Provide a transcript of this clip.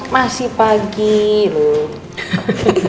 masih pagi loh